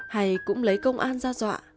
hay cũng lấy công an ra dọa